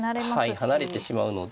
はい離れてしまうので。